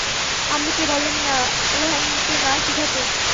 আম্মি কে বলেন না, রেহান কে না শিখাতে।